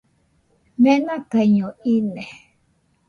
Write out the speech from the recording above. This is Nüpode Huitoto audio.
Menakaiño ine